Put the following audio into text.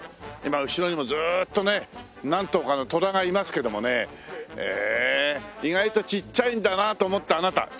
今後ろにもずーっとね何頭かのトラがいますけどもねへえ意外とちっちゃいんだなと思ったあなた。